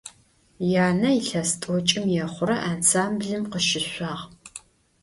Янэ илъэс тӏокӏым ехъурэ ансамблым къыщышъуагъ.